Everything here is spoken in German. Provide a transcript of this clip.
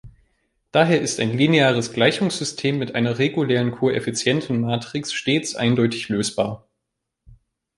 Daher ist ein lineares Gleichungssystem mit einer regulären Koeffizientenmatrix stets eindeutig lösbar.